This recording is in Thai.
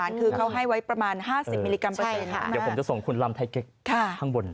เดี๋ยวผมจะส่งคุณลำไทเก๊กข้างบน